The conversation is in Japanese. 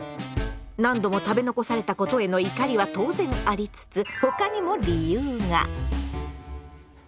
何度も食べ残されたことへの怒りは当然ありつつ他にも理由が。